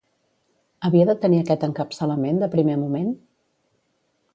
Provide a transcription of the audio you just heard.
Havia de tenir aquest encapçalament, de primer moment?